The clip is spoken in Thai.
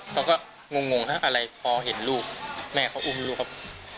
เขาก็งงถ้าอะไรพอเห็นลูกแม่เขาอุ้มลูกครับ